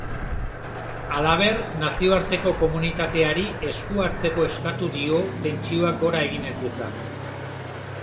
Halaber, nazioarteko komunitateari esku hartzeko eskatu dio tentsioak gora egin ez dezan.